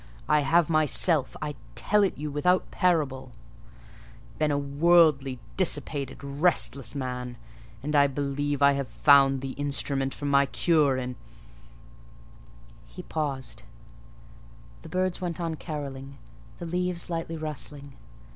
I have myself—I tell it you without parable—been a worldly, dissipated, restless man; and I believe I have found the instrument for my cure in—" He paused: the birds went on carolling, the leaves lightly rustling.